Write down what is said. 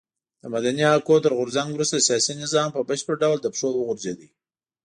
د مدني حقونو تر غورځنګ وروسته سیاسي نظام په بشپړ ډول له پښو وغورځېد.